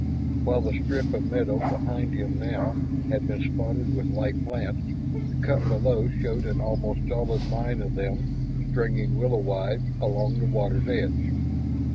While the strip of meadow behind him now had been spotted with light plants, the cut below showed an almost solid line of them stringing willow wise along the water's edge.